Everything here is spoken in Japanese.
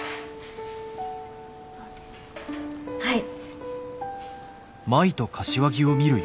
はい。